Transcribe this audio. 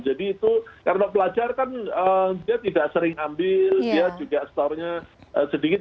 jadi itu karena pelajar kan dia tidak sering ambil dia juga store nya sedikit